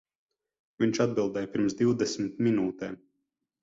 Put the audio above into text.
Viņš atbildēja pirms divdesmit minūtēm.